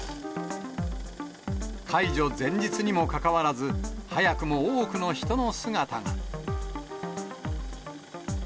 解除前日にもかかわらず、早くも多くの人の姿が。